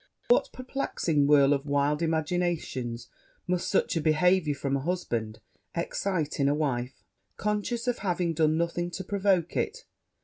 What a perplexing whirl of wild imaginations must such a behaviour from a husband excite in a wife, conscious of having done nothing to provoke it!